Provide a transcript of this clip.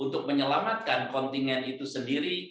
untuk menyelamatkan kontingen itu sendiri